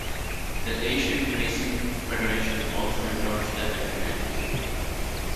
The Asian Racing Federation also endorsed the agreement.